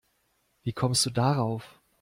Wie kommst du darauf?